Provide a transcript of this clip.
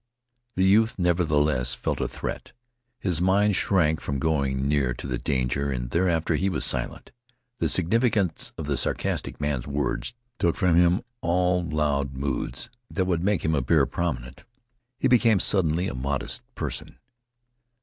The youth, nevertheless, felt a threat. His mind shrank from going near to the danger, and thereafter he was silent. The significance of the sarcastic man's words took from him all loud moods that would make him appear prominent. He became suddenly a modest person.